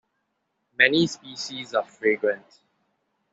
Many species are fragrant.